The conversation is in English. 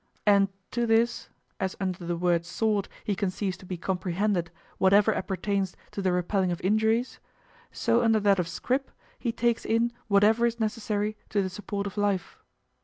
And to this, as under the word "sword" he conceives to be comprehended whatever appertains to the repelling of injuries, so under that of "scrip" he takes in whatever is necessary to the support of life.